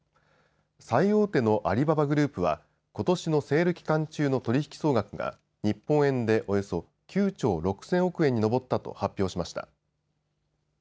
最大手のアリババグループはことしのセール期間中の取引総額が日本円でおよそ９兆６０００億円に上ったと発表しました。